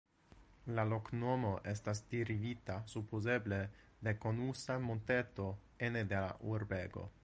La loknomo estas derivita supozeble de konusa monteto ene de la urbego.